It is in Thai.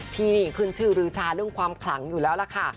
ที่นี่ขึ้นชื่อรือชาเรื่องความขลังอยู่แล้วล่ะค่ะ